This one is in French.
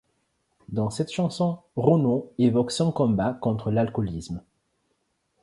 Dans cette chanson, Renaud évoque son combat contre l’alcoolisme.